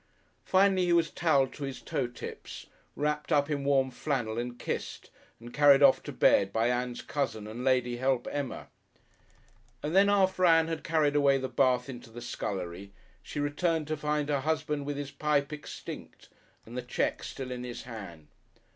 Finally he was towelled to his toe tips, wrapped up in warm flannel, and kissed, and carried off to bed by Ann's cousin and lady help, Emma. And then after Ann had carried away the bath into the scullery, she returned to find her husband with his pipe extinct and the cheque still in his hand.